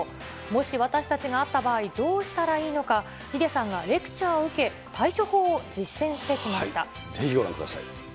もし私たちが遭った場合、どうしたらいいのか、ヒデさんがレクチャーを受け、ぜひご覧ください。